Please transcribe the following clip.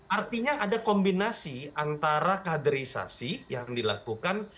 artinya ada kombinasi antara kaderisasi yang dilakukan